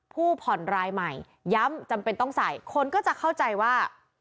ผู้ผ่อนรายใหม่ย้ำจำเป็นต้องใส่คนก็จะเข้าใจว่า